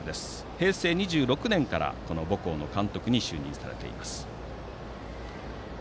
平成２６年から母校の監督に就任されています。